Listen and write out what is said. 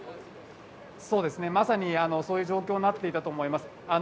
まさにそういう状況になっていたと思います。